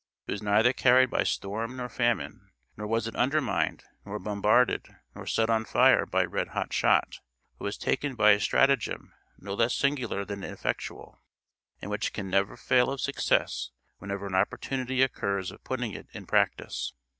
It was neither carried by storm nor famine; nor was it undermined, nor bombarded, nor set on fire by red hot shot, but was taken by a stratagem no less singular than effectual, and which can never fail of success whenever an opportunity occurs of putting it in practice.